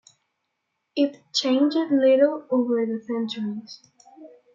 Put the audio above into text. It changed little over the centuries.